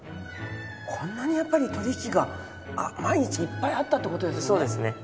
こんなにやっぱり取引が毎日いっぱいあったって事ですもんね。